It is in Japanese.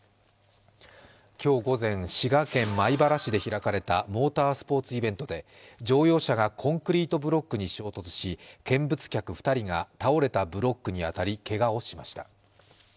今日午前、滋賀県米原市で開かれたモータースポーツイベントで乗用車がコンクリートブロックに衝突し、見物客２人が倒れたブロックに当たり、けがをしました。